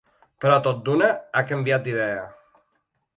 Però tot d’una ha canviat d’idea.